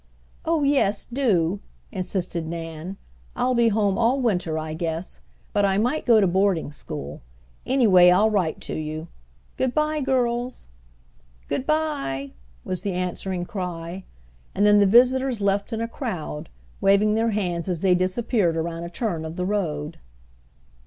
"Oh yes, do!" insisted Nan. "I'll be home all winter I guess, but I might go to boarding school. Anyhow, I'll write to you. Good bye, girls!" "Good bye!" was the answering cry, and then the visitors left in a crowd, waving their hands as they disappeared around a turn of the road.